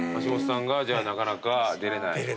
橋本さんがじゃあなかなか出れない。